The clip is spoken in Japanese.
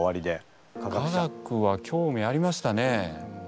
科学は興味ありましたね。